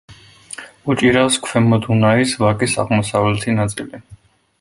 უჭირავს ქვემო დუნაის ვაკის აღმოსავლეთი ნაწილი.